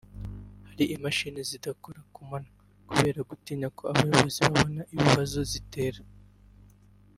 Hari imashini zidakora ku manywa kubera gutinya ko abayobozi babona ibibazo zitera